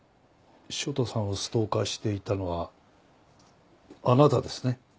汐田さんをストーカーしていたのはあなたですね？